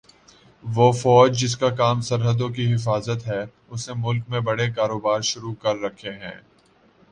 وہ فوج جس کا کام سرحدوں کی حفاظت ہے اس نے ملک میں بڑے بڑے کاروبار شروع کر رکھے ہیں